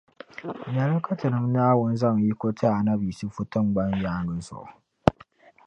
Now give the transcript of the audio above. Lala ka Tinim’ Naawuni zaŋ yiko ti Annabi Yisifu tiŋgbani yaaŋa zuɣu.